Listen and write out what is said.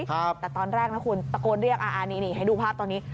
แต่ตอนแรกนะคุณตะโกนเรียกอ่าอันนี้นี่ให้ดูภาพตอนนี้